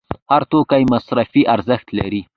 هر توکی مصرفي ارزښت لري.